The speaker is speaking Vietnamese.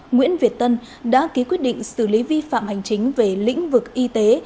nguyễn việt tân đã ký quyết định xử lý vi phạm hành chính về lĩnh vực y tế